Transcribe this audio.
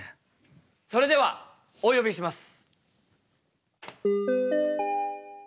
それではお呼びします。